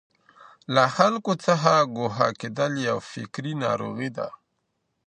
له خلګو څخه ګوښه کېدل يو فکري ناروغي ده.